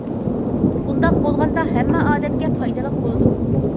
بۇنداق بولغاندا ھەممە ئادەمگە پايدىلىق بولىدۇ.